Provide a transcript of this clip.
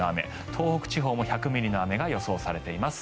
東北地方も１００ミリの雨が予想されています。